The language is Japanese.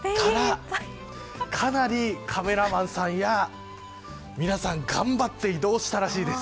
かなりカメラマンさんや皆さん、頑張って移動したらしいです。